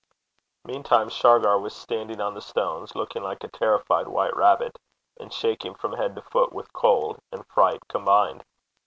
Meantime Shargar was standing on the stones, looking like a terrified white rabbit, and shaking from head to foot with cold and fright combined.